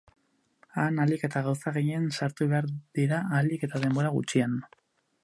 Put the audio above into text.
Han ahalik eta gauza gehien sartu behar dira ahalik eta denbora gutxien.